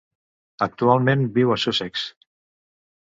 Actualment viu a Sussex.